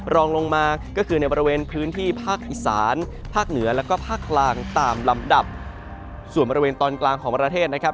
รองลงมาก็คือในบริเวณพื้นที่ภาคอีสานภาคเหนือแล้วก็ภาคกลางตามลำดับส่วนบริเวณตอนกลางของประเทศนะครับ